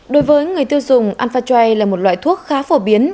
đối với người tiêu dùng amphatray là một loại thuốc khá phổ biến